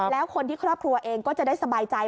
แล้วคนที่ครอบครัวเองก็จะได้สบายใจ